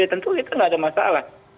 ya tentu itu nggak ada masalah